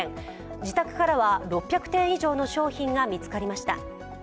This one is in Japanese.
自宅からは６００点以上の商品が見つかりました。